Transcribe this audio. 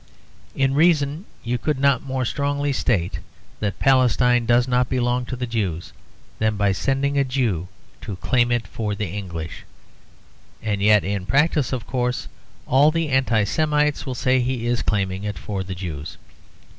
In reason you could not more strongly state that Palestine does not belong to the Jews, than by sending a Jew to claim it for the English. And yet in practice, of course, all the Anti Semites will say he is claiming it for the Jews.